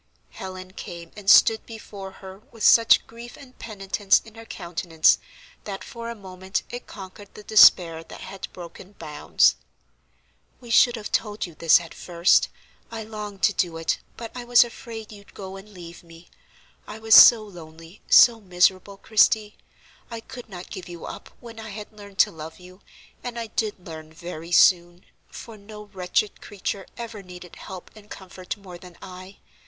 Helen came and stood before her with such grief and penitence in her countenance that for a moment it conquered the despair that had broken bounds. "We should have told you this at first; I longed to do it, but I was afraid you'd go and leave me. I was so lonely, so miserable, Christie. I could not give you up when I had learned to love you; and I did learn very soon, for no wretched creature ever needed help and comfort more than I.